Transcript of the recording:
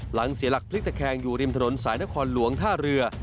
เสียหลักพลิกตะแคงอยู่ริมถนนสายนครหลวงท่าเรือ